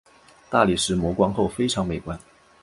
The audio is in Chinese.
大理石磨光后非常美观。